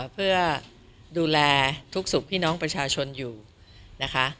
เพื่อดูแลทุกสุขพี่น้องประชาชนอยู่นะคะ